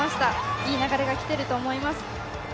いい流れが来ていると思います。